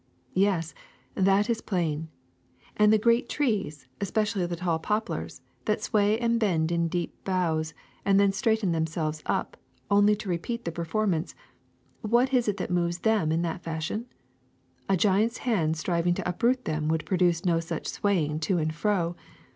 '' ''Yes, that is plain. And the great trees, espe cially the tall poplars, that sway and bend in deep bows and then straighten themselves up, only to re peat the performance — what is it that moves them in that fashion? A giant's hand striving to uproot them would produce no such swaying to and fro.